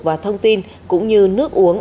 và thông tin cũng như nước uống